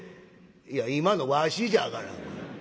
「いや今のわしじゃがな。